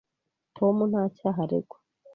Tom nta cyaha aregwa.